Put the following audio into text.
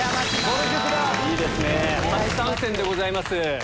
初参戦でございます。